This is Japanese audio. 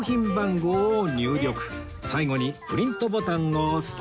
最後にプリントボタンを押すと